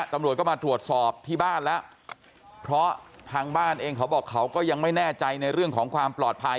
ตำรวจก็มาตรวจสอบที่บ้านแล้วเพราะทางบ้านเองเขาบอกเขาก็ยังไม่แน่ใจในเรื่องของความปลอดภัย